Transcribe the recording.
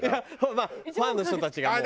まあファンの人たちがもう。